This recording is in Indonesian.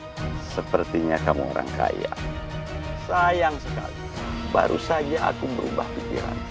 hai sepertinya kamu orang kaya sayang sekali baru saja aku berubah kejadian